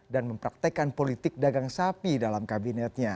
dan mempraktekan politik dagang sapi dalam kabinetnya